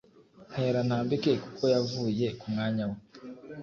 ntera ntambike kuko yavuye ku mwanya we